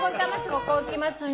ここ置きますね。